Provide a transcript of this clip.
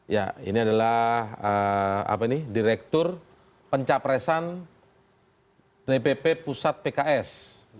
ya ini adalah apa ini direktur pencaparesan tpp pusat pks